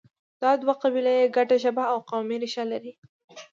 دا دوه قبیلې ګډه ژبه او قومي ریښه لري.